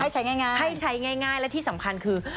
ใช้ง่ายให้ใช้ง่ายและที่สำคัญคือ